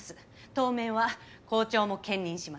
当面は校長も兼任します。